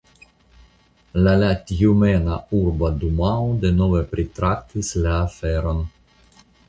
La la Tjumena Urba Dumao denove pritraktis la aferon.